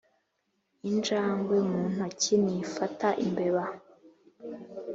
injangwe mu ntoki ntifata imbeba.